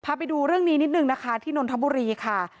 พาไปดูเรื่องนี้นิดนึงนะคะที่นนทบุรีค่ะ